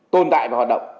tồn tại và hoạt động